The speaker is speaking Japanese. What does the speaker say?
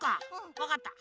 わかった。